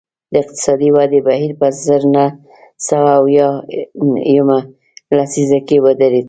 د اقتصادي ودې بهیر په زر نه سوه اویا یمه لسیزه کې ودرېد